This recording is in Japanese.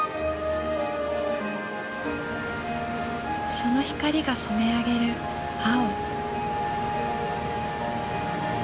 その光が染め上げる碧。